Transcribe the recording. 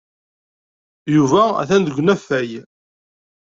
Yuba atan deg unafag.